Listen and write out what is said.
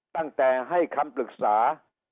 ตั้งแต่ให้คำปรึกษา